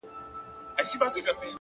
عاجزي د پوهې ښکلی ملګری ده.!